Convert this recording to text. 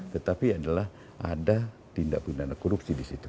tetapi adalah ada tindak pidana korupsi di situ